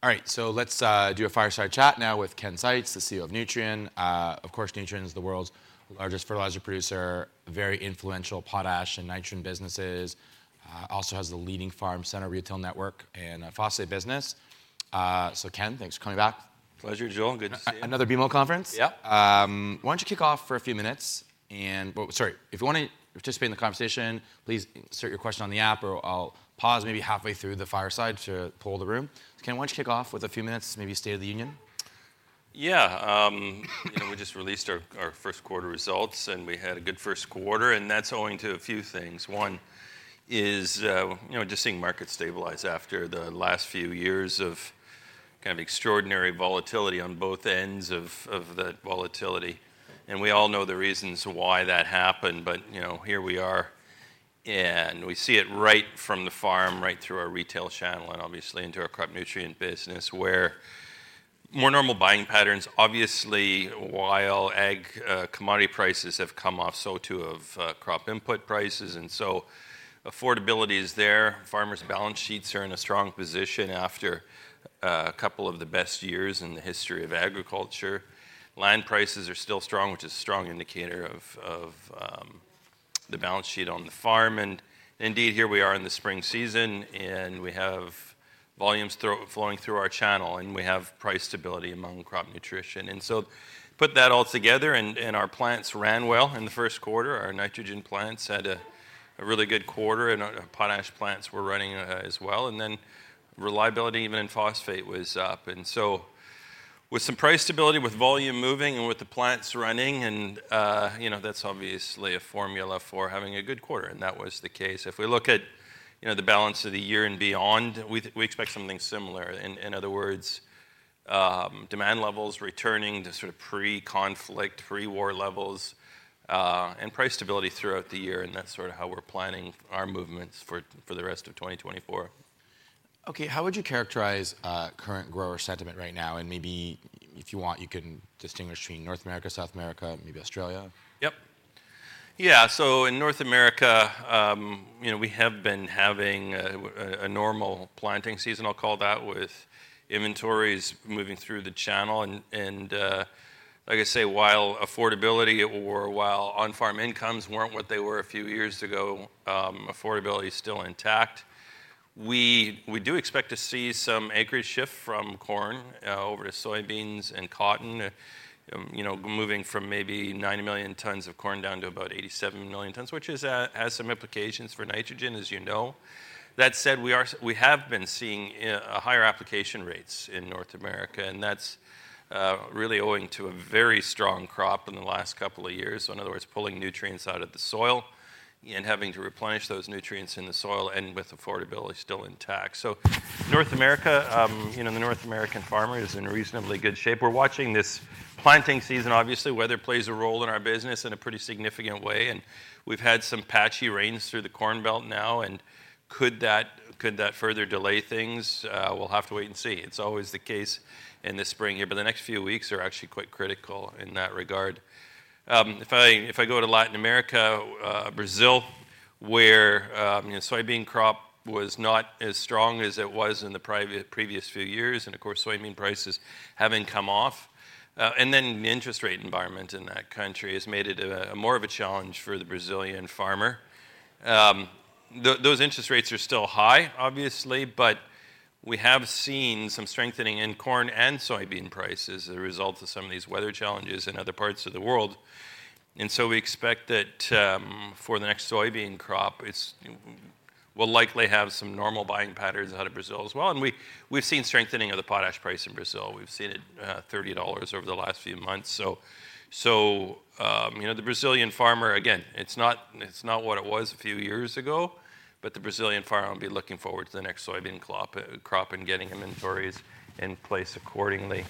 Great. All right, so let's do a fireside chat now with Ken Seitz, the CEO of Nutrien. Of course, Nutrien is the world's largest fertilizer producer, very influential potash and nitrogen businesses, also has the leading farm center retail network and a phosphate business. So Ken, thanks for coming back. Pleasure, Joel. Good to see you. Another BMO conference. Yep. Why don't you kick off for a few minutes? Well, sorry, if you want to participate in the conversation, please insert your question on the app, or I'll pause maybe halfway through the fireside to poll the room. Ken, why don't you kick off with a few minutes, maybe state of the union? Yeah. You know, we just released our first quarter results, and we had a good first quarter, and that's owing to a few things. One is, you know, just seeing markets stabilize after the last few years of kind of extraordinary volatility on both ends of that volatility, and we all know the reasons why that happened, but, you know, here we are, and we see it right from the farm, right through our retail channel and obviously into our crop nutrient business, where more normal buying patterns... Obviously, while ag commodity prices have come off, so too have crop input prices, and so affordability is there. Farmers' balance sheets are in a strong position after a couple of the best years in the history of agriculture. Land prices are still strong, which is a strong indicator of the balance sheet on the farm. And indeed, here we are in the spring season, and we have volumes flowing through our channel, and we have price stability among crop nutrition. And so put that all together, and our plants ran well in the first quarter. Our nitrogen plants had a really good quarter, and our potash plants were running as well, and then reliability even in phosphate was up. And so with some price stability, with volume moving, and with the plants running, and you know, that's obviously a formula for having a good quarter, and that was the case. If we look at you know, the balance of the year and beyond, we expect something similar. In other words, demand levels returning to sort of pre-conflict, pre-war levels, and price stability throughout the year, and that's sort of how we're planning our movements for the rest of 2024. Okay, how would you characterize current grower sentiment right now? And maybe if you want, you can distinguish between North America, South America, maybe Australia. Yep. Yeah, so in North America, you know, we have been having a normal planting season, I'll call that, with inventories moving through the channel, and, like I say, while affordability or while on-farm incomes weren't what they were a few years ago, affordability is still intact. We do expect to see some acreage shift from corn over to soybeans and cotton, you know, moving from maybe 90 million tons of corn down to about 87 million tons, which has some implications for nitrogen, as you know. That said, we have been seeing higher application rates in North America, and that's really owing to a very strong crop in the last couple of years. So in other words, pulling nutrients out of the soil and having to replenish those nutrients in the soil and with affordability still intact. So North America, you know, the North American farmer is in reasonably good shape. We're watching this planting season. Obviously, weather plays a role in our business in a pretty significant way, and we've had some patchy rains through the Corn Belt now, and could that further delay things? We'll have to wait and see. It's always the case in the spring here, but the next few weeks are actually quite critical in that regard. If I go to Latin America, Brazil, where, you know, soybean crop was not as strong as it was in the previous few years, and of course, soybean prices having come off, and then the interest rate environment in that country has made it a more of a challenge for the Brazilian farmer. Those interest rates are still high, obviously, but we have seen some strengthening in corn and soybean prices as a result of some of these weather challenges in other parts of the world, and so we expect that, for the next soybean crop, it's... We'll likely have some normal buying patterns out of Brazil as well, and we, we've seen strengthening of the potash price in Brazil. We've seen it $30 over the last few months. So, you know, the Brazilian farmer, again, it's not, it's not what it was a few years ago, but the Brazilian farmer will be looking forward to the next soybean crop, crop and getting inventories in place accordingly.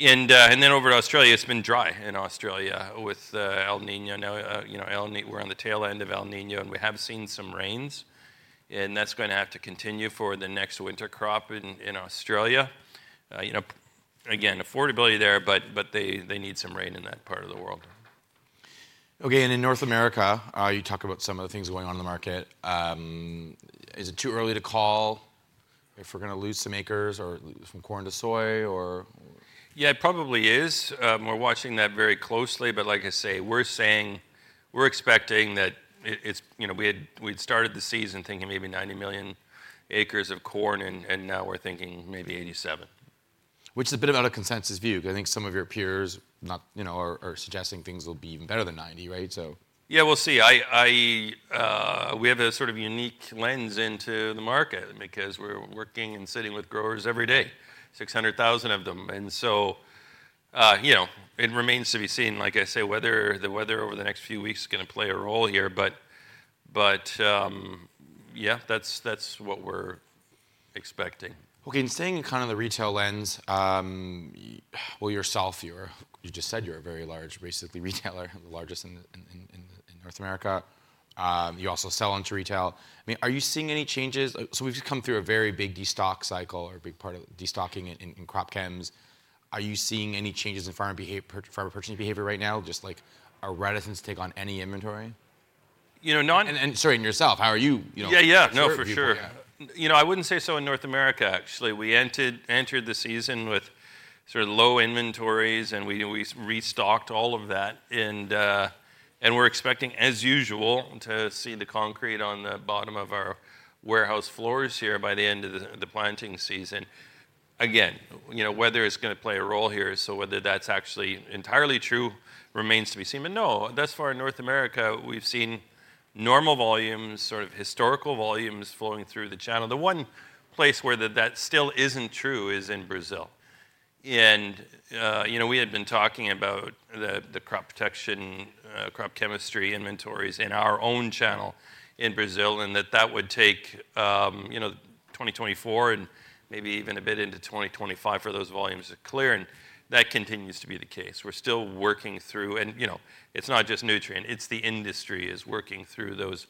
And then over to Australia, it's been dry in Australia with El Niño now. You know, we're on the tail end of El Niño, and we have seen some rains, and that's going to have to continue for the next winter crop in Australia. You know, again, affordability there, but they need some rain in that part of the world. Okay, and in North America, you talked about some of the things going on in the market. Is it too early to call if we're gonna lose some acres or some corn to soy or- Yeah, it probably is. We're watching that very closely, but like I say, we're saying we're expecting that it, it's... You know, we'd started the season thinking maybe 90 million acres of corn, and now we're thinking maybe 87. Which is a bit of a consensus view, because I think some of your peers, you know, are suggesting things will be even better than 90, right? So- Yeah, we'll see. We have a sort of unique lens into the market because we're working and sitting with growers every day, 600,000 of them, and so, you know, it remains to be seen. Like I say, the weather over the next few weeks is gonna play a role here, but, yeah, that's what we're expecting. Okay, and staying in kind of the retail lens, well, yourself, you're, you just said you're a very large basically retailer, the largest in North America. You also sell into retail. I mean, are you seeing any changes? So we've just come through a very big destock cycle or a big part of destocking in crop chems. Are you seeing any changes in farmer purchasing behavior right now, just like a reticence to take on any inventory?... you know, not and sorry, and yourself, how are you, you know? Yeah, yeah. No, for sure. Yeah. You know, I wouldn't say so in North America, actually. We entered the season with sort of low inventories, and we restocked all of that. And we're expecting, as usual, to see the concrete on the bottom of our warehouse floors here by the end of the planting season. Again, you know, whether it's gonna play a role here, so whether that's actually entirely true remains to be seen. But no, thus far in North America, we've seen normal volumes, sort of historical volumes flowing through the channel. The one place where that still isn't true is in Brazil. You know, we had been talking about the crop protection crop chemistry inventories in our own channel in Brazil, and that would take, you know, 2024 and maybe even a bit into 2025 for those volumes to clear, and that continues to be the case. We're still working through. You know, it's not just Nutrien, it's the industry is working through those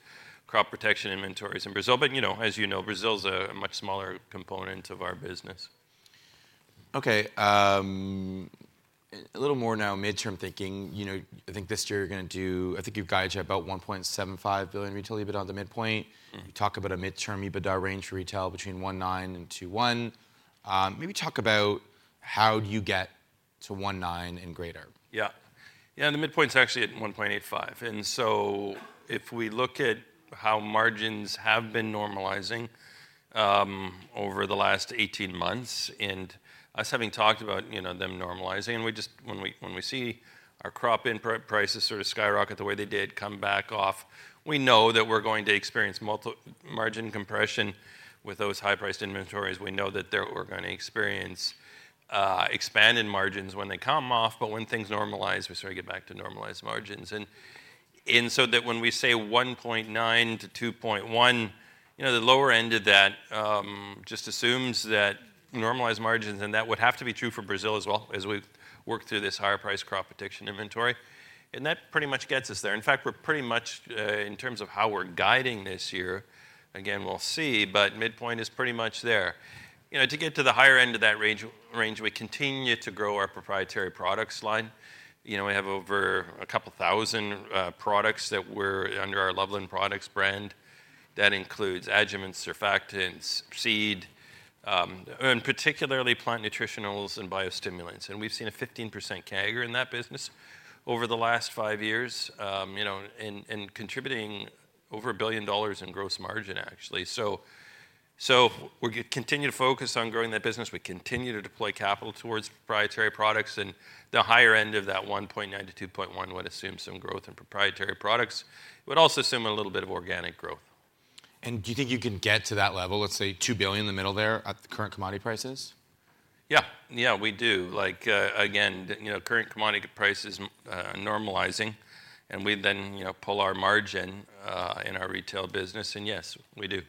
crop protection inventories in Brazil. You know, as you know, Brazil's a much smaller component of our business. Okay, a little more now midterm thinking. You know, I think this year you're gonna do, I think you've guided about $1.75 billion retail EBITDA on the midpoint. Mm. You talk about a midterm EBITDA range for retail between $190 and $210. Maybe talk about how you get to $190 and greater. Yeah. Yeah, the midpoint's actually at 1.85. And so if we look at how margins have been normalizing over the last 18 months, and us having talked about, you know, them normalizing, and we just... When we see our crop input prices sort of skyrocket the way they did come back off, we know that we're going to experience margin compression with those high-priced inventories. We know that we're gonna experience expanded margins when they come off, but when things normalize, we sort of get back to normalized margins. So that when we say 1.9-2.1, you know, the lower end of that just assumes that normalized margins, and that would have to be true for Brazil as well, as we work through this higher-priced crop protection inventory, and that pretty much gets us there. In fact, we're pretty much in terms of how we're guiding this year, again, we'll see, but midpoint is pretty much there. You know, to get to the higher end of that range, we continue to grow our proprietary products line. You know, we have over 2,000 products that we're under our Loveland Products brand. That includes adjuvants, surfactants, seed, and particularly plant nutritionals and biostimulants. We've seen a 15% CAGR in that business over the last 5 years, you know, and contributing over $1 billion in gross margin, actually. So, we're continue to focus on growing that business. We continue to deploy capital towards proprietary products, and the higher end of that 1.9-2.1 would assume some growth in proprietary products. It would also assume a little bit of organic growth. Do you think you can get to that level, let's say $2 billion in the middle there, at the current commodity prices? Yeah. Yeah, we do. Like, again, you know, current commodity prices, normalizing, and we then, you know, pull our margin, in our retail business, and yes, we do.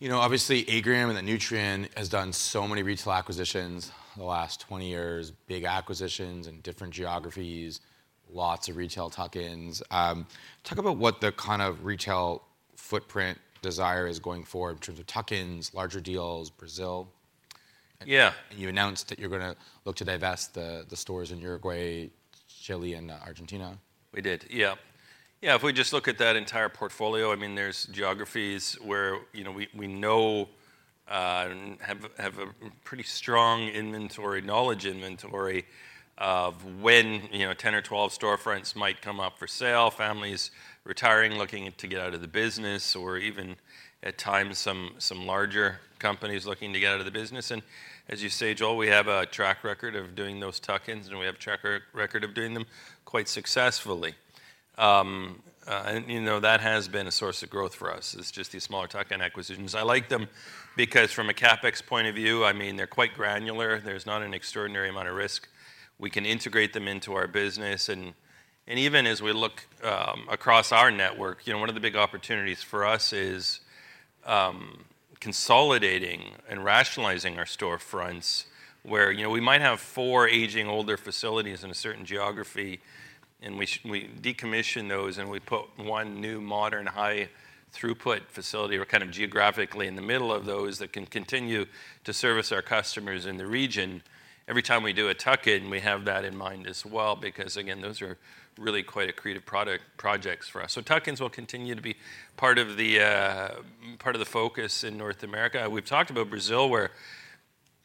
You know, obviously, Agrium and then Nutrien has done so many retail acquisitions in the last 20 years, big acquisitions in different geographies, lots of retail tuck-ins. Talk about what the kind of retail footprint desire is going forward in terms of tuck-ins, larger deals, Brazil. Yeah. You announced that you're gonna look to divest the stores in Uruguay, Chile, and Argentina. We did, yeah. Yeah, if we just look at that entire portfolio, I mean, there's geographies where, you know, we know and have a pretty strong inventory knowledge of when, you know, 10 or 12 storefronts might come up for sale, families retiring, looking to get out of the business, or even at times, some larger companies looking to get out of the business. And as you say, Joel, we have a track record of doing those tuck-ins, and we have a track record of doing them quite successfully. And, you know, that has been a source of growth for us, is just these smaller tuck-in acquisitions. I like them because from a CapEx point of view, I mean, they're quite granular. There's not an extraordinary amount of risk. We can integrate them into our business, and, and even as we look across our network, you know, one of the big opportunities for us is consolidating and rationalizing our storefronts, where, you know, we might have four aging, older facilities in a certain geography, and we decommission those, and we put one new, modern, high-throughput facility. We're kind of geographically in the middle of those that can continue to service our customers in the region. Every time we do a tuck-in, we have that in mind as well because, again, those are really quite accretive product, projects for us. So tuck-ins will continue to be part of the, part of the focus in North America. We've talked about Brazil, where,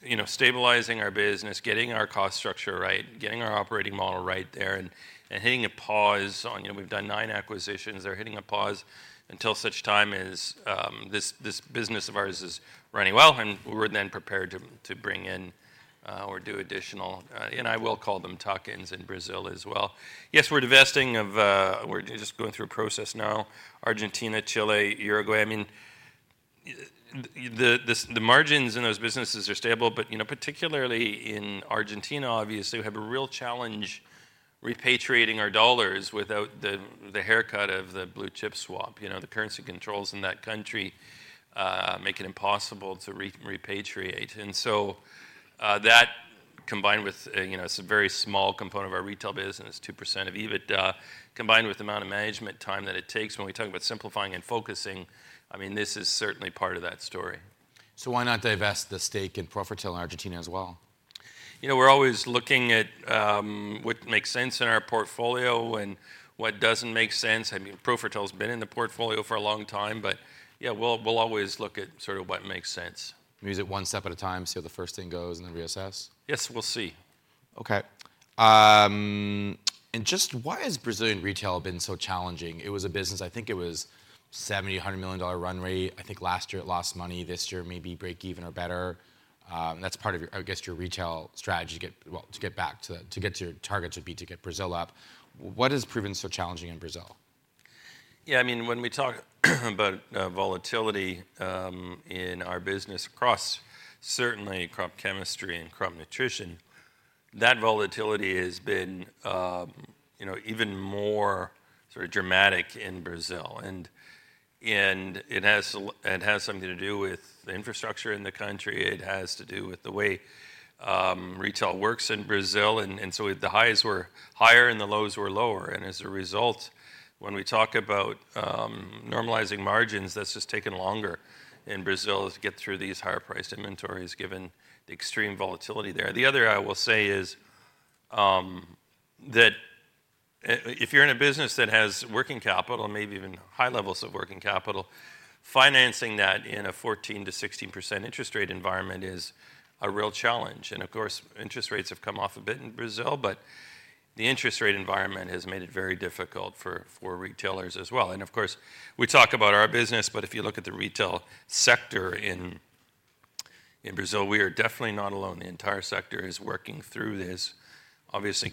you know, stabilizing our business, getting our cost structure right, getting our operating model right there, and, and hitting a pause on... You know, we've done nine acquisitions there, hitting a pause until such time as this business of ours is running well, and we're then prepared to bring in or do additional, and I will call them tuck-ins in Brazil as well. Yes, we're divesting of. We're just going through a process now, Argentina, Chile, Uruguay. I mean, the margins in those businesses are stable, but, you know, particularly in Argentina, obviously, we have a real challenge repatriating our dollars without the haircut of the blue chip swap. You know, the currency controls in that country make it impossible to repatriate. And so, that combined with, you know, it's a very small component of our retail business, 2% of EBITDA, combined with the amount of management time that it takes when we talk about simplifying and focusing, I mean, this is certainly part of that story. So why not divest the stake in Profertil in Argentina as well? ... you know, we're always looking at what makes sense in our portfolio and what doesn't make sense. I mean, Profertil's been in the portfolio for a long time, but yeah, we'll always look at sort of what makes sense. We use it one step at a time, see how the first thing goes, and then reassess? Yes, we'll see. Okay. And just why has Brazilian retail been so challenging? It was a business, I think it was $70 million-$100 million run rate. I think last year it lost money, this year maybe break even or better. That's part of your, I guess, your retail strategy to get, well, to get to your target should be to get Brazil up. What has proven so challenging in Brazil? Yeah, I mean, when we talk about volatility in our business across certainly crop chemistry and crop nutrition, that volatility has been, you know, even more sort of dramatic in Brazil, and it has something to do with the infrastructure in the country. It has to do with the way retail works in Brazil, and so the highs were higher and the lows were lower. And as a result, when we talk about normalizing margins, that's just taken longer in Brazil to get through these higher-priced inventories, given the extreme volatility there. The other, I will say, is that if you're in a business that has working capital, maybe even high levels of working capital, financing that in a 14%-16% interest rate environment is a real challenge. Of course, interest rates have come off a bit in Brazil, but the interest rate environment has made it very difficult for retailers as well. Of course, we talk about our business, but if you look at the retail sector in Brazil, we are definitely not alone. The entire sector is working through this, obviously,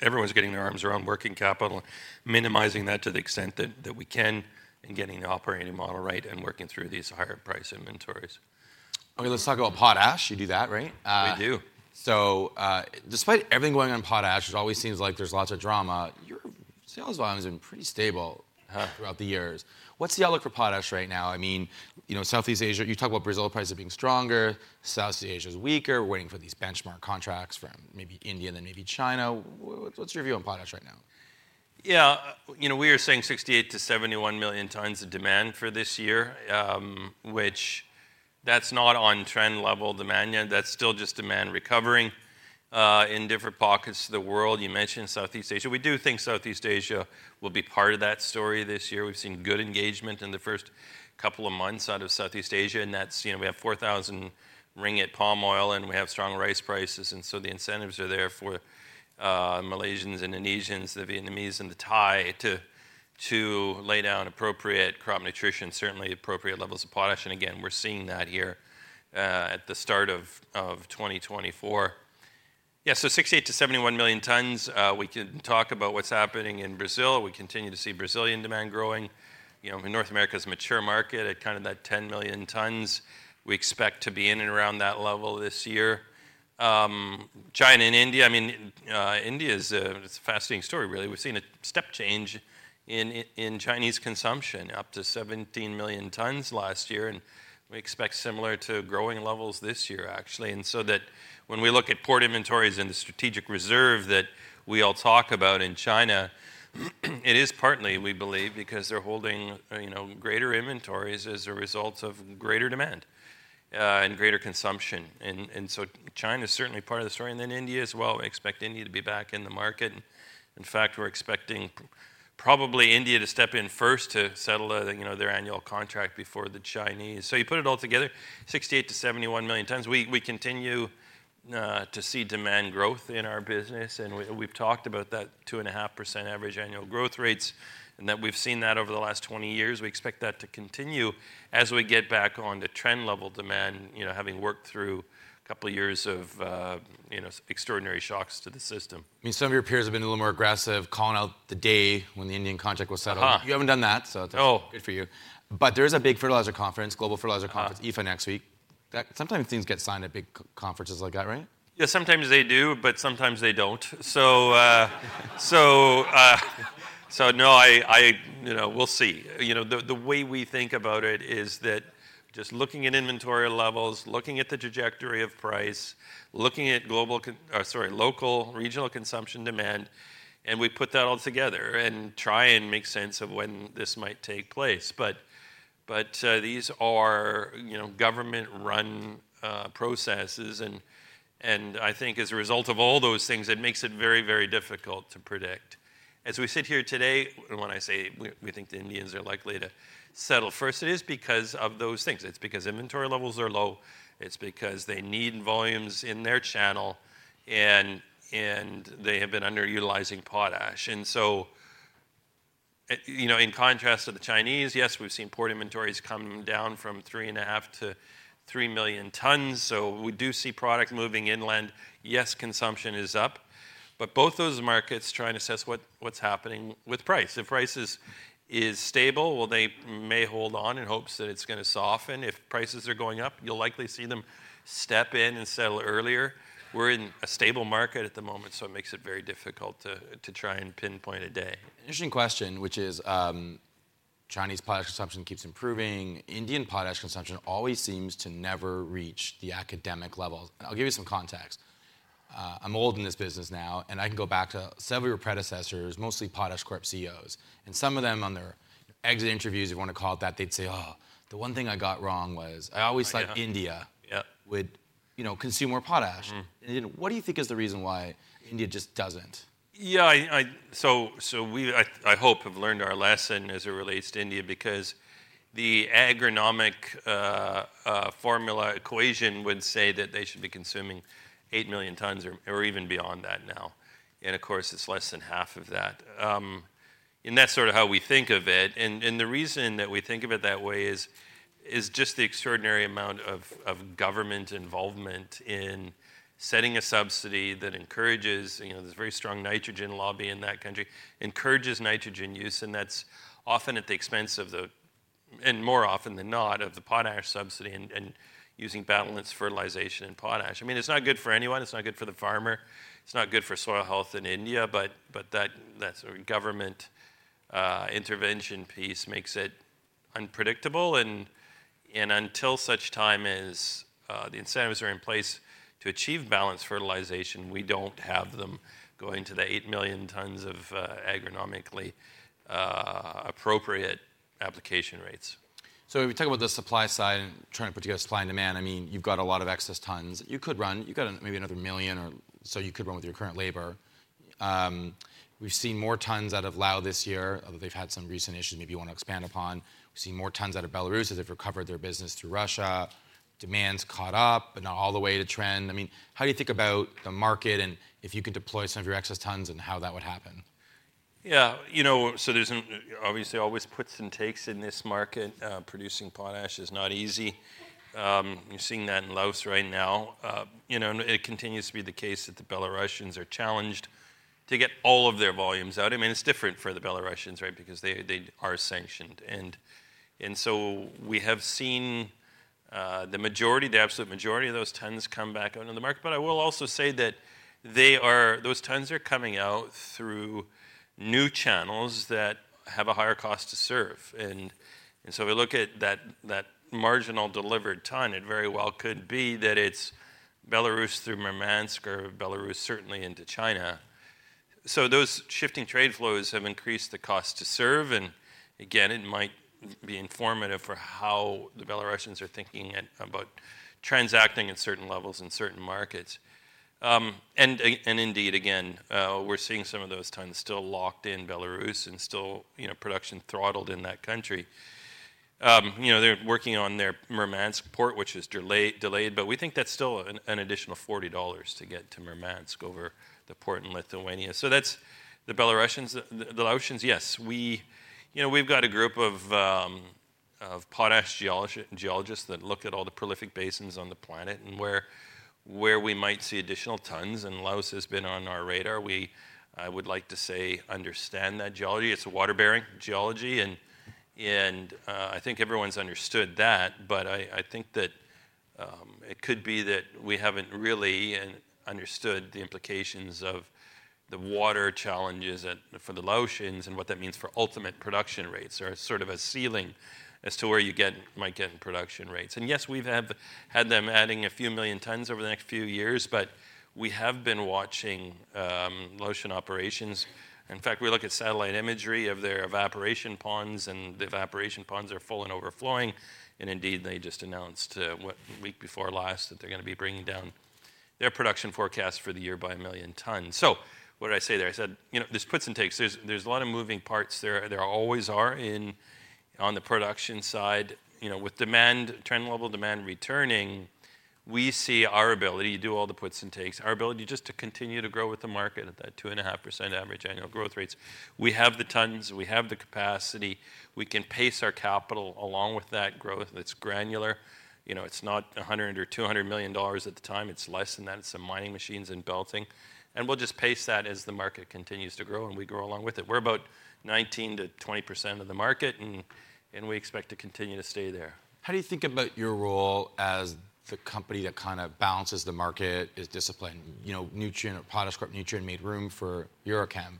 everyone's getting their arms around working capital, minimizing that to the extent that we can, and getting the operating model right and working through these higher-priced inventories. Okay, let's talk about potash. You do that, right? We do. So, despite everything going on in potash, it always seems like there's lots of drama, your sales volume has been pretty stable- Huh... throughout the years. What's the outlook for potash right now? I mean, you know, Southeast Asia, you talk about Brazil prices being stronger, Southeast Asia is weaker. We're waiting for these benchmark contracts from maybe India and then maybe China. What's your view on potash right now? Yeah, you know, we are saying 68-71 million tonnes of demand for this year, which that's not on trend level demand yet. That's still just demand recovering in different pockets of the world. You mentioned Southeast Asia. We do think Southeast Asia will be part of that story this year. We've seen good engagement in the first couple of months out of Southeast Asia, and that's, you know, we have 4,000 ringgit palm oil, and we have strong rice prices, and so the incentives are there for Malaysians, Indonesians, the Vietnamese, and the Thai to lay down appropriate crop nutrition, certainly appropriate levels of potash. And again, we're seeing that here at the start of 2024. Yeah, so 68-71 million tonnes. We can talk about what's happening in Brazil. We continue to see Brazilian demand growing. You know, North America's a mature market at kind of that 10 million tonnes. We expect to be in and around that level this year. China and India, I mean, India is a, it's a fascinating story, really. We've seen a step change in Chinese consumption, up to 17 million tonnes last year, and we expect similar to growing levels this year, actually. And so that when we look at port inventories and the strategic reserve that we all talk about in China, it is partly, we believe, because they're holding, you know, greater inventories as a result of greater demand and greater consumption. And so China is certainly part of the story, and then India as well. We expect India to be back in the market. In fact, we're expecting probably India to step in first to settle, you know, their annual contract before the Chinese. So you put it all together, 68-71 million tonnes. We, we continue to see demand growth in our business, and we, we've talked about that 2.5% average annual growth rates and that we've seen that over the last 20 years. We expect that to continue as we get back on to trend level demand, you know, having worked through a couple of years of, you know, extraordinary shocks to the system. I mean, some of your peers have been a little more aggressive, calling out the day when the Indian contract was settled. Ah. You haven't done that, so- No... good for you. But there is a big fertilizer conference, global fertilizer conference- Ah... IFA next week. That sometimes things get signed at big conferences like that, right? Yeah, sometimes they do, but sometimes they don't. So, so no, I, I, you know, we'll see. You know, the way we think about it is that just looking at inventory levels, looking at the trajectory of price, looking at local, regional consumption demand, and we put that all together and try and make sense of when this might take place. But, but, these are, you know, government-run processes, and I think as a result of all those things, it makes it very, very difficult to predict. As we sit here today, when I say we, we think the Indians are likely to settle first, it is because of those things. It's because inventory levels are low, it's because they need volumes in their channel, and they have been underutilizing potash. So, you know, in contrast to the Chinese, yes, we've seen port inventories come down from 3.5-3 million tonnes, so we do see product moving inland. Yes, consumption is up, but both those markets trying to assess what, what's happening with price. If prices is stable, well, they may hold on in hopes that it's gonna soften. If prices are going up, you'll likely see them step in and settle earlier. We're in a stable market at the moment, so it makes it very difficult to try and pinpoint a day. Interesting question, which is, Chinese potash consumption keeps improving. Indian potash consumption always seems to never reach the academic levels. I'll give you some context ... I'm old in this business now, and I can go back to several predecessors, mostly PotashCorp CEOs, and some of them on their exit interviews, if you wanna call it that, they'd say, "Oh, the one thing I got wrong was- Yeah. I always thought India- Yep... would, you know, consume more potash. Mm. What do you think is the reason why India just doesn't? Yeah, so I hope we have learned our lesson as it relates to India, because the agronomic formula equation would say that they should be consuming 8 million tonnes or even beyond that now. And of course, it's less than half of that. And that's sort of how we think of it, and the reason that we think of it that way is just the extraordinary amount of government involvement in setting a subsidy that encourages, you know, there's a very strong nitrogen lobby in that country, encourages nitrogen use, and that's often at the expense of the... and more often than not, of the potash subsidy and using balanced fertilization and potash. I mean, it's not good for anyone. It's not good for the farmer, it's not good for soil health in India, but that sort of government intervention piece makes it unpredictable, and until such time as the incentives are in place to achieve balanced fertilization, we don't have them going to the 8 million tons of agronomically appropriate application rates. So when we talk about the supply side and trying to put together supply and demand, I mean, you've got a lot of excess tons. You could run, you've got maybe another 1 million or so you could run with your current labor. We've seen more tons out of Laos this year, although they've had some recent issues maybe you want to expand upon. We've seen more tons out of Belarus as they've recovered their business through Russia. Demand's caught up, but not all the way to trend. I mean, how do you think about the market, and if you could deploy some of your excess tons and how that would happen? Yeah, you know, so there's obviously always puts and takes in this market. Producing potash is not easy. You're seeing that in Laos right now. You know, and it continues to be the case that the Belarusians are challenged to get all of their volumes out. I mean, it's different for the Belarusians, right? Because they, they are sanctioned. And so we have seen the majority, the absolute majority of those tons come back out on the market. But I will also say that they are... Those tons are coming out through new channels that have a higher cost to serve. And so we look at that, that marginal delivered ton, it very well could be that it's Belarus through Murmansk or Belarus, certainly into China. So those shifting trade flows have increased the cost to serve, and again, it might be informative for how the Belarusians are thinking about transacting at certain levels in certain markets. And indeed, again, we're seeing some of those tonnes still locked in Belarus and still, you know, production throttled in that country. You know, they're working on their Murmansk port, which is delayed, but we think that's still an additional $40 to get to Murmansk over the port in Lithuania. So that's the Belarusians. The Laotians, yes, we. You know, we've got a group of potash geologists that look at all the prolific basins on the planet and where we might see additional tonnes, and Laos has been on our radar. We, I would like to say, understand that geology. It's a water-bearing geology, and I think everyone's understood that, but I think that it could be that we haven't really understood the implications of the water challenges at, for the Laotians and what that means for ultimate production rates, or sort of a ceiling as to where you get, might get in production rates. And yes, we've had them adding a few million tonnes over the next few years, but we have been watching Laotian operations. In fact, we look at satellite imagery of their evaporation ponds, and the evaporation ponds are full and overflowing, and indeed, they just announced the week before last that they're gonna be bringing down their production forecast for the year by 1 million tonnes. So what did I say there? I said, you know, there's puts and takes. There's a lot of moving parts. There always are on the production side. You know, with demand, trend level demand returning, we see our ability to do all the puts and takes, our ability just to continue to grow with the market at that 2.5% average annual growth rates. We have the tons, we have the capacity. We can pace our capital along with that growth, and it's granular. You know, it's not $100 million or $200 million at the time. It's less than that. It's some mining machines and belting, and we'll just pace that as the market continues to grow and we grow along with it. We're about 19%-20% of the market, and we expect to continue to stay there. How do you think about your role as the company that kind of balances the market, is disciplined? You know, Nutrien or PotashCorp, Nutrien made room for Uralkali,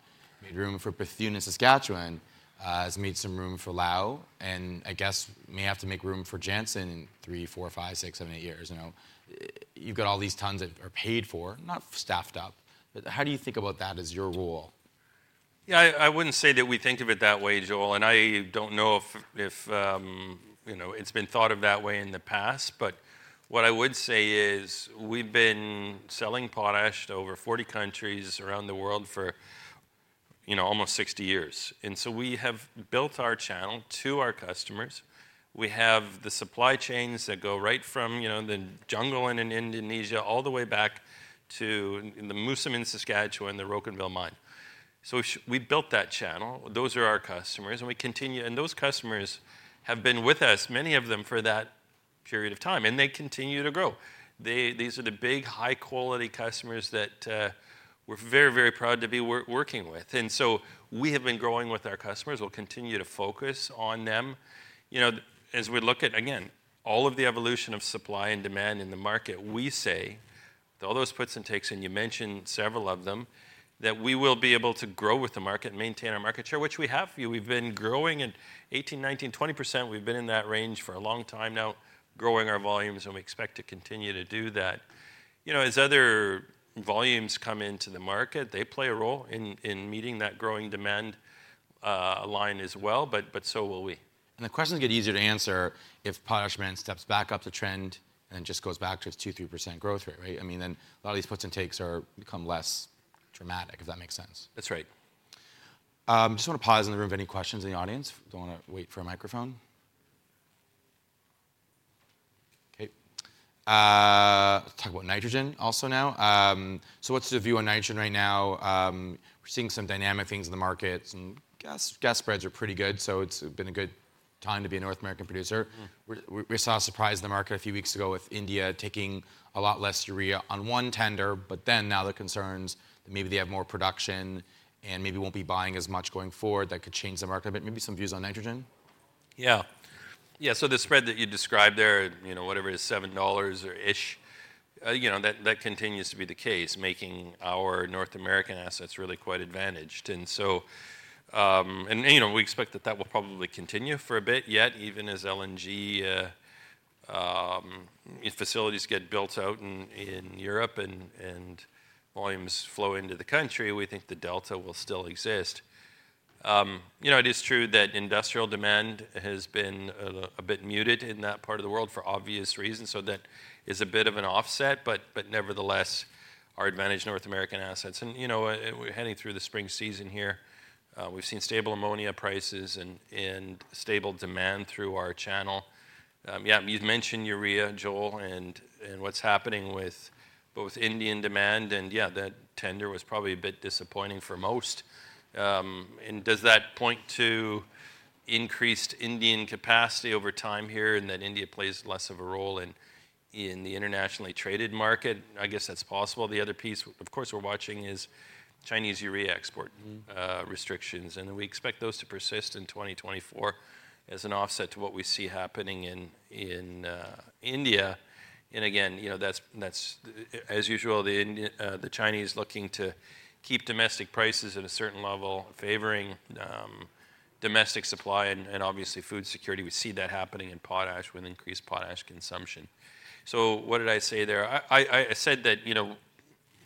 made room for Bethune in Saskatchewan, has made some room for Laos, and I guess may have to make room for Jansen in 3-8 years. You know, you've got all these tons that are paid for, not staffed up. How do you think about that as your role? Yeah, I wouldn't say that we think of it that way, Joel, and I don't know if you know, it's been thought of that way in the past. But what I would say is we've been selling potash to over 40 countries around the world for, you know, almost 60 years, and so we have built our channel to our customers. We have the supply chains that go right from, you know, the jungle in Indonesia, all the way back to the Moosomin in Saskatchewan, the Rocanville mine. So we built that channel. Those are our customers, and we continue... And those customers have been with us, many of them, for that period of time, and they continue to grow. They, these are the big, high-quality customers that we're very, very proud to be working with. And so we have been growing with our customers. We'll continue to focus on them. You know, as we look at, again, all of the evolution of supply and demand in the market, we say, with all those puts and takes, and you mentioned several of them, that we will be able to grow with the market and maintain our market share, which we have. We've been growing at 18, 19, 20%. We've been in that range for a long time now, growing our volumes, and we expect to continue to do that. You know, as other volumes come into the market, they play a role in meeting that growing demand line as well, but so will we. The questions get easier to answer if potash demand steps back up the trend and just goes back to its 2%-3% growth rate, right? I mean, then a lot of these puts and takes are become less dramatic, if that makes sense. That's right. Just wanna pause in the room if any questions in the audience. Don't wanna wait for a microphone. Okay, let's talk about nitrogen also now. So what's the view on nitrogen right now? We're seeing some dynamic things in the market, and gas, gas spreads are pretty good, so it's been a good time to be a North American producer. Mm. We saw a surprise in the market a few weeks ago with India taking a lot less urea on one tender, but then now the concern is maybe they have more production and maybe won't be buying as much going forward. That could change the market a bit. Maybe some views on nitrogen? Yeah. Yeah, so the spread that you described there, you know, whatever it is, $7 or so, you know, that, that continues to be the case, making our North American assets really quite advantaged. And so, and, you know, we expect that that will probably continue for a bit yet, even as LNG facilities get built out in Europe and volumes flow into the country, we think the delta will still exist. You know, it is true that industrial demand has been a bit muted in that part of the world for obvious reasons, so that is a bit of an offset, but, but nevertheless, our advantaged North American assets. And, you know, we're heading through the spring season here. We've seen stable ammonia prices and stable demand through our channel. Yeah, you've mentioned urea, Joel, and what's happening with both Indian demand, and, yeah, that tender was probably a bit disappointing for most. Does that point to increased Indian capacity over time here, and that India plays less of a role in the internationally traded market? I guess that's possible. The other piece, of course, we're watching is Chinese urea export- Mm... restrictions, and we expect those to persist in 2024 as an offset to what we see happening in India. And again, you know, that's as usual, the Indian, the Chinese looking to keep domestic prices at a certain level, favoring domestic supply and obviously, food security. We see that happening in potash with increased potash consumption. So what did I say there? I said that, you know,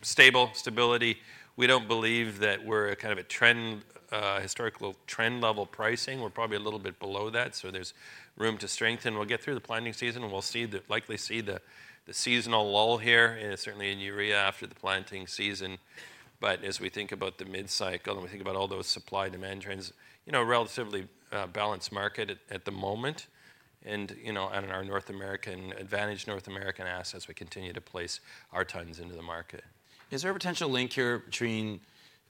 stable, stability, we don't believe that we're a kind of a trend historical trend-level pricing. We're probably a little bit below that, so there's room to strengthen. We'll get through the planting season, and we'll see the likely see the seasonal lull here, and certainly in urea after the planting season. But as we think about the mid-cycle, and we think about all those supply/demand trends, you know, relatively balanced market at the moment. And, you know, and in our North American... advantaged North American assets, we continue to place our tons into the market. Is there a potential link here between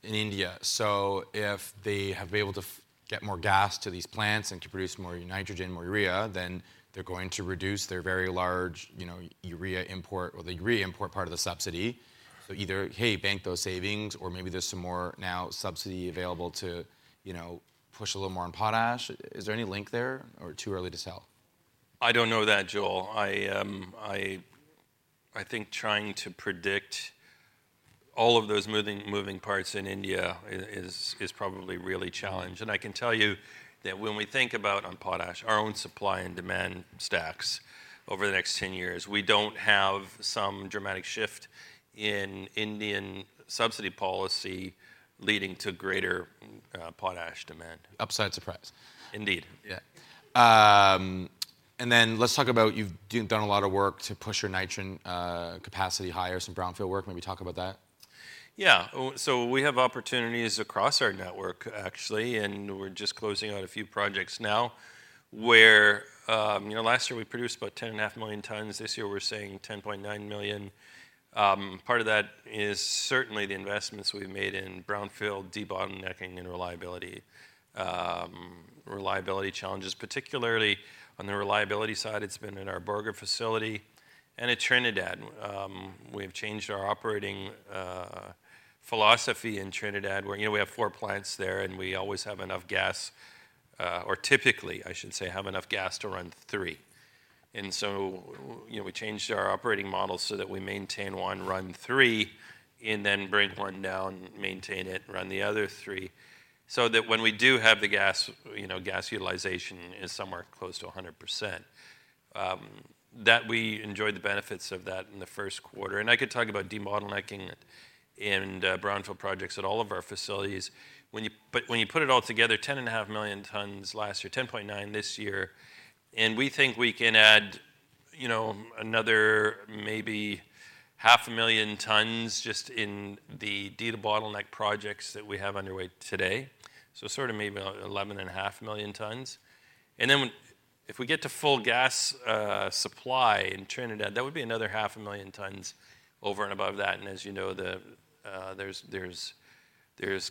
in India? So if they have been able to get more gas to these plants and to produce more nitrogen, more urea, then they're going to reduce their very large, you know, urea import, or the urea import part of the subsidy. So either, hey, bank those savings, or maybe there's some more now subsidy available to, you know, push a little more on potash. Is there any link there or too early to tell? I don't know that, Joel. I think trying to predict all of those moving parts in India is probably really challenged. I can tell you that when we think about on potash our own supply and demand stacks over the next 10 years, we don't have some dramatic shift in Indian subsidy policy leading to greater potash demand. Upside surprise. Indeed. Yeah. And then let's talk about you've done a lot of work to push your nitrogen capacity higher, some brownfield work. Maybe talk about that. Yeah. So we have opportunities across our network, actually, and we're just closing out a few projects now where, you know, last year we produced about 10.5 million tons. This year, we're saying 10.9 million. Part of that is certainly the investments we've made in brownfield, debottlenecking and reliability challenges. Particularly on the reliability side, it's been in our larger facility and at Trinidad. We've changed our operating philosophy in Trinidad, where, you know, we have four plants there, and we always have enough gas, or typically, I should say, have enough gas to run three. So, you know, we changed our operating model so that we maintain one, run three, and then bring one down, maintain it, run the other three, so that when we do have the gas, you know, gas utilization is somewhere close to 100%. That we enjoyed the benefits of that in the first quarter, and I could talk about debottlenecking it in brownfield projects at all of our facilities. But when you put it all together, 10.5 million tons last year, 10.9 million tons this year, and we think we can add, you know, another maybe 0.5 million tons just in the debottlenecking projects that we have underway today, so sort of maybe about 11.5 million tons. And then if we get to full gas supply in Trinidad, that would be another half a million tons over and above that. And as you know, the, there's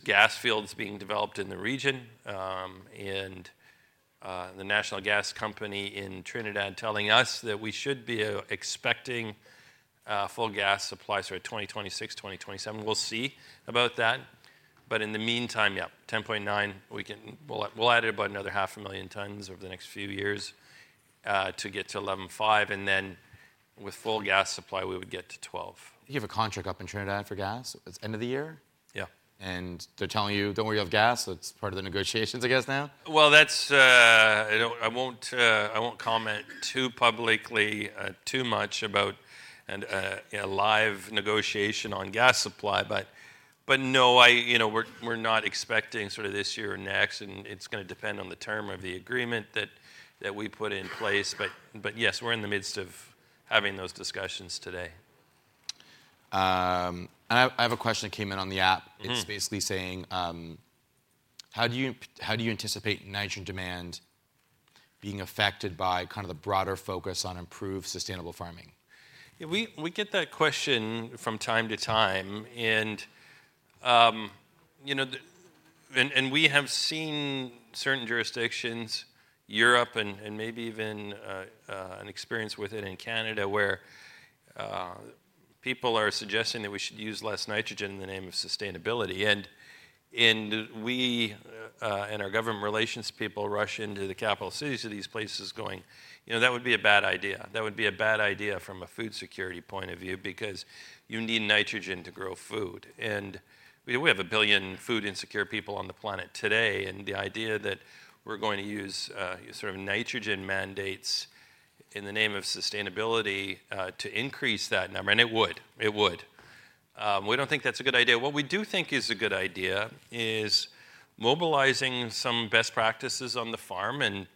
gas fields being developed in the region, and the National Gas Company in Trinidad telling us that we should be expecting full gas supplies for 2026, 2027. We'll see about that.... but in the meantime, yeah, 10.9, we can, we'll add about another half a million tons over the next few years to get to 11.5, and then with full gas supply, we would get to 12. You have a contract up in Trinidad for gas, it's end of the year? Yeah. They're telling you, "Don't worry, you have gas," so it's part of the negotiations, I guess, now? Well, that's... I won't comment too publicly too much about and a live negotiation on gas supply, but no, you know, we're not expecting sort of this year or next, and it's gonna depend on the term of the agreement that we put in place. But yes, we're in the midst of having those discussions today. I have a question that came in on the app. Mm. It's basically saying, "How do you anticipate nitrogen demand being affected by kind of the broader focus on improved sustainable farming? Yeah, we get that question from time to time, and you know, the... And we have seen certain jurisdictions, Europe, and maybe even an experience with it in Canada, where people are suggesting that we should use less nitrogen in the name of sustainability. And we and our government relations people rush into the capital cities of these places going, "You know, that would be a bad idea. That would be a bad idea from a food security point of view, because you need nitrogen to grow food." And we have 1 billion food-insecure people on the planet today, and the idea that we're going to use sort of nitrogen mandates in the name of sustainability to increase that number, and it would. It would. We don't think that's a good idea. What we do think is a good idea is mobilizing some best practices on the farm, and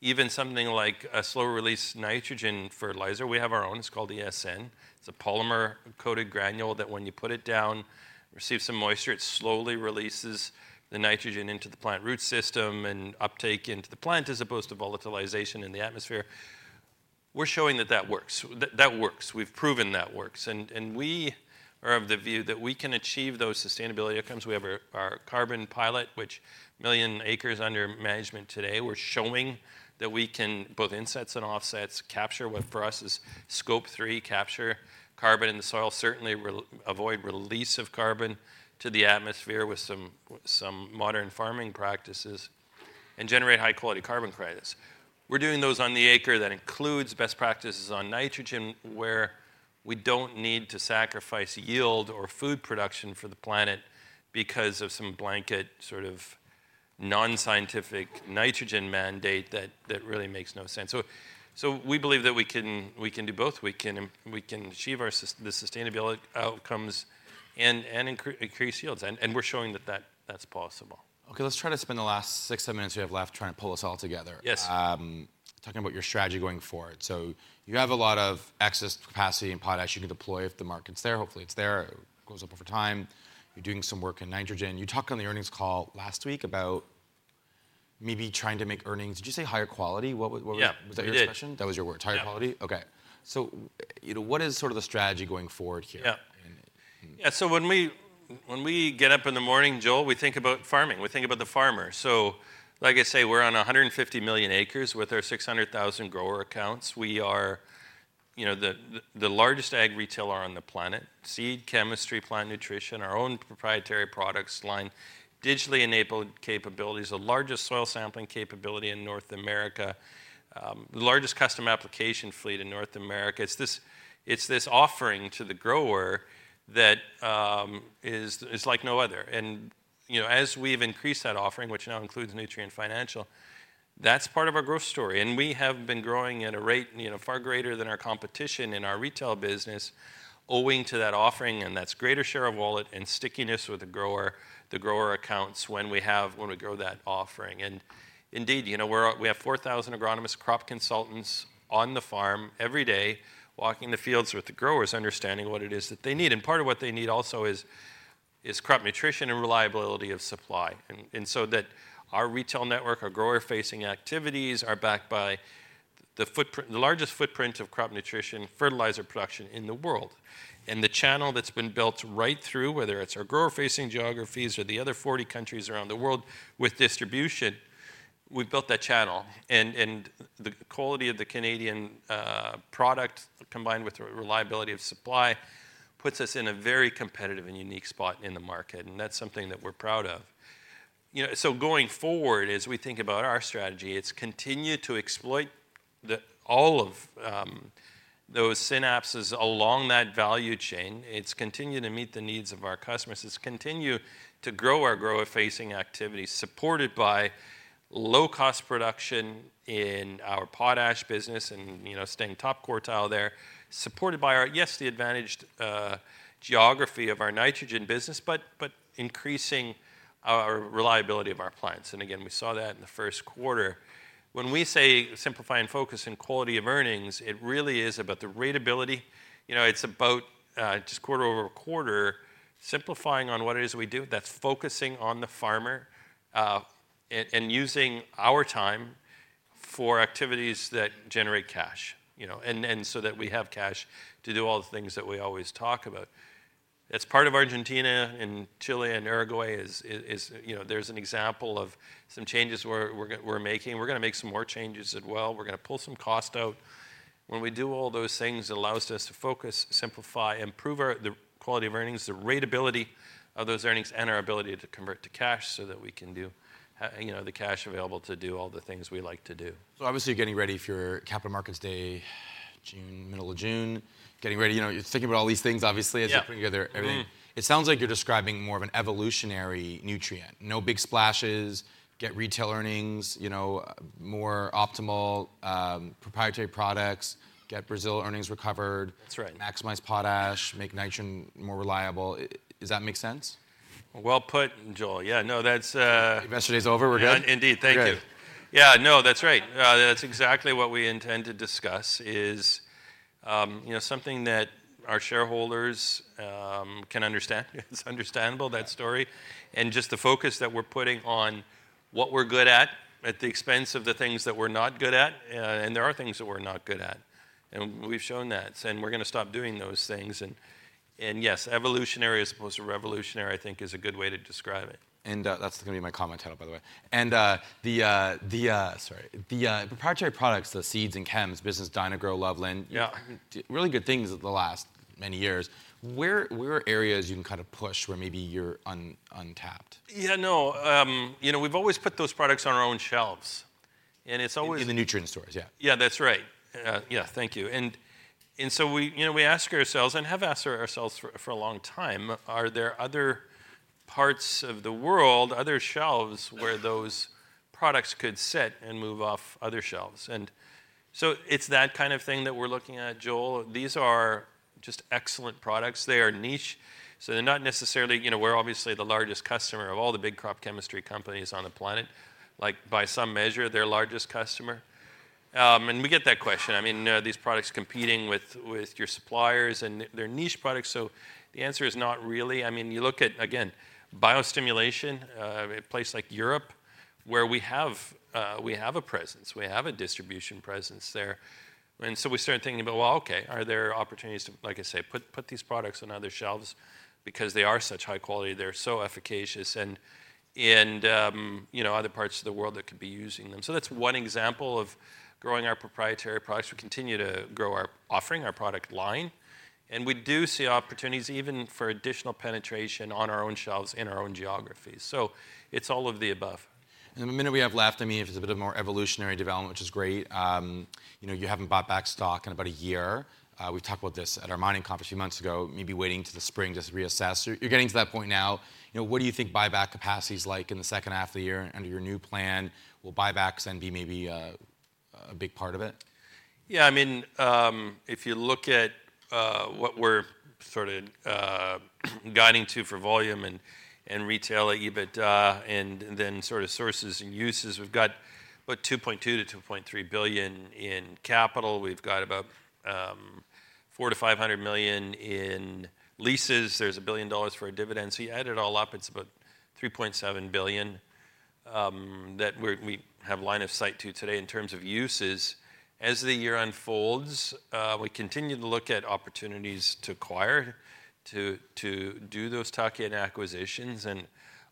even something like a slow-release nitrogen fertilizer. We have our own, it's called ESN. It's a polymer-coated granule that when you put it down, it receives some moisture, it slowly releases the nitrogen into the plant root system and uptake into the plant, as opposed to volatilization in the atmosphere. We're showing that that works. That, that works. We've proven that works. And, and we are of the view that we can achieve those sustainability outcomes. We have our, our carbon pilot, which 1 million acres under management today, we're showing that we can, both insets and offsets, capture what for us is Scope 3, capture carbon in the soil, certainly avoid release of carbon to the atmosphere with some, with some modern farming practices, and generate high-quality carbon credits. We're doing those on the acre that includes best practices on nitrogen, where we don't need to sacrifice yield or food production for the planet because of some blanket sort of non-scientific nitrogen mandate that really makes no sense. So we believe that we can do both. We can achieve our sustainability outcomes and increase yields, and we're showing that that's possible. Okay, let's try to spend the last 6, 7 minutes we have left trying to pull this all together. Yes. Talking about your strategy going forward. So you have a lot of excess capacity and potash you can deploy if the market's there. Hopefully, it's there. It goes up over time. You're doing some work in nitrogen. You talked on the earnings call last week about maybe trying to make earnings. Did you say higher quality? What was- Yeah. Was that your expression? We did. That was your word, higher quality? Yeah. Okay. So, you know, what is sort of the strategy going forward here? Yeah. And- Yeah, so when we get up in the morning, Joel, we think about farming. We think about the farmer. So like I say, we're on 150 million acres with our 600,000 grower accounts. We are, you know, the largest ag retailer on the planet. Seed, chemistry, plant nutrition, our own proprietary products line, digitally enabled capabilities, the largest soil sampling capability in North America, the largest custom application fleet in North America. It's this offering to the grower that is like no other. You know, as we've increased that offering, which now includes Nutrien Financial, that's part of our growth story, and we have been growing at a rate, you know, far greater than our competition in our retail business, owing to that offering, and that's greater share of wallet and stickiness with the grower, the grower accounts when we have, when we grow that offering. Indeed, you know, we're, we have 4,000 agronomists, crop consultants on the farm every day, walking the fields with the growers, understanding what it is that they need. And part of what they need also is, is crop nutrition and reliability of supply. And so that our retail network, our grower-facing activities are backed by the footprint, the largest footprint of crop nutrition, fertilizer production in the world. And the channel that's been built right through, whether it's our grower-facing geographies or the other 40 countries around the world with distribution, we've built that channel. And the quality of the Canadian product, combined with the reliability of supply, puts us in a very competitive and unique spot in the market, and that's something that we're proud of. You know, so going forward, as we think about our strategy, it's continue to exploit the, all of, those synapses along that value chain. It's continue to meet the needs of our customers. It's continue to grow our grower-facing activities, supported by low-cost production in our potash business and, you know, staying top quartile there. Supported by our, yes, the advantaged geography of our nitrogen business, but increasing our reliability of our clients. And again, we saw that in the first quarter. When we say simplify and focus on quality of earnings, it really is about the ratability. You know, it's about just quarter-over-quarter, simplifying on what it is we do, that's focusing on the farmer, and using our time for activities that generate cash. You know, and so that we have cash to do all the things that we always talk about, as part of Argentina and Chile and Uruguay is, you know, there's an example of some changes we're making. We're gonna make some more changes as well. We're gonna pull some cost out. When we do all those things, it allows us to focus, simplify, improve the quality of earnings, the ratability of those earnings, and our ability to convert to cash so that we can do, you know, the cash available to do all the things we like to do. So obviously, you're getting ready for your capital markets day, June, middle of June. Getting ready, you know, you're thinking about all these things, obviously. Yeah... as you're putting together everything. Mm-hmm. It sounds like you're describing more of an evolutionary nutrient. No big splashes, get retail earnings, you know, more optimal, proprietary products, get Brazil earnings recovered- That's right... maximize potash, make nitrogen more reliable. Does that make sense? Well put, Joel. Yeah, no, that's- Yesterday's over. We're good? Indeed, thank you. Good. Yeah, no, that's right. That's exactly what we intend to discuss, is, you know, something that our shareholders can understand. It's understandable, that story, and just the focus that we're putting on what we're good at, at the expense of the things that we're not good at. And there are things that we're not good at, and we've shown that. And we're gonna stop doing those things. And, and yes, evolutionary as opposed to revolutionary, I think is a good way to describe it. That's gonna be my comment title, by the way. Sorry. The proprietary products, the seeds and chems business, Dyna-Gro, Loveland- Yeah... really good things over the last many years. Where are areas you can kind of push where maybe you're untapped? Yeah, no, you know, we've always put those products on our own shelves, and it's always- In the nutrient stores, yeah. Yeah, that's right. Yeah, thank you. And so we, you know, we ask ourselves, and have asked ourselves for a long time, are there other parts of the world, other shelves, where those products could sit and move off other shelves? And so it's that kind of thing that we're looking at, Joel. These are just excellent products. They are niche, so they're not necessarily... You know, we're obviously the largest customer of all the big crop chemistry companies on the planet, like, by some measure, their largest customer. And we get that question. I mean, are these products competing with your suppliers? And they're niche products, so the answer is not really. I mean, you look at, again, biostimulation, a place like Europe, where we have a presence, we have a distribution presence there. And so we started thinking about, well, okay, are there opportunities to, like I say, put these products on other shelves because they are such high quality, they're so efficacious, and you know, other parts of the world that could be using them. So that's one example of growing our proprietary products. We continue to grow our offering, our product line, and we do see opportunities even for additional penetration on our own shelves in our own geographies. So it's all of the above. In the minute we have left, I mean, if it's a bit of more evolutionary development, which is great, you know, you haven't bought back stock in about a year. We talked about this at our mining conference a few months ago, maybe waiting till the spring to reassess. You're, you're getting to that point now. You know, what do you think buyback capacity is like in the second half of the year under your new plan? Will buybacks then be maybe a big part of it? Yeah, I mean, if you look at what we're sort of guiding to for volume and retail EBITDA, and then sort of sources and uses, we've got about $2.2 billion-$2.3 billion in capital. We've got about $400 million-$500 million in leases. There's $1 billion for a dividend. So you add it all up, it's about $3.7 billion that we have line of sight to today in terms of uses. As the year unfolds, we continue to look at opportunities to acquire, to do those tuck-in acquisitions, and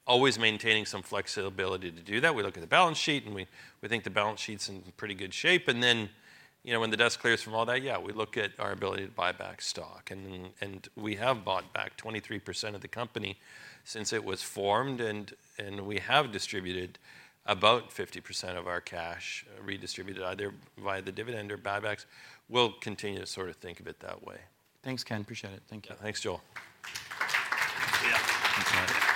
always maintaining some flexibility to do that. We look at the balance sheet, and we think the balance sheet's in pretty good shape. And then, you know, when the dust clears from all that, yeah, we look at our ability to buy back stock. We have bought back 23% of the company since it was formed, and we have distributed about 50% of our cash, redistributed either via the dividend or buybacks. We'll continue to sort of think of it that way. Thanks, Ken. Appreciate it. Thank you. Thanks, Joel. Yeah. Thanks a lot. Thank you.